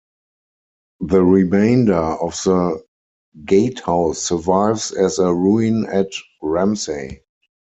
The remainder of the gatehouse survives as a ruin at Ramsey.